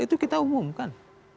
itu kita umumkan